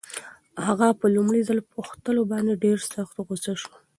اغا په لومړي ځل پوښتلو باندې ډېر سخت غوسه شو.